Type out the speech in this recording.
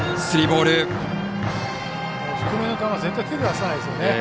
低めの球絶対手を出さないですよね。